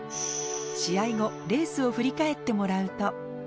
試合後、レースを振り返ってもらうと。